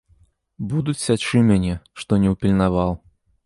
Будуць сячы мяне, што не ўпільнаваў.